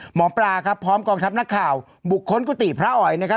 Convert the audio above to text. หมอปลาครับพร้อมกองทัพนักข่าวบุกค้นกุฏิพระอ๋อยนะครับ